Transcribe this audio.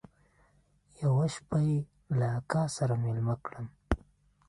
يوه شپه يې له اکا سره ميلمه کړم.